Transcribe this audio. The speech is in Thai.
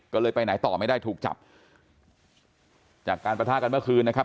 ก็เลยไปไหนต่อไม่ได้ถูกจับจากการประทะกันเมื่อคืนนะครับ